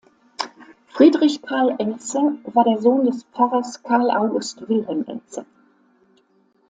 Friedrich Karl Elze war der Sohn des Pfarrers Karl August Wilhelm Elze.